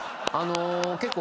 結構。